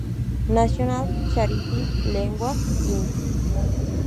National Charity League Inc.